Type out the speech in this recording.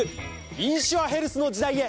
インシュアヘルスの時代へ！